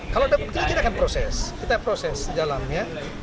kalau ada bukti kita akan proses kita proses dalamnya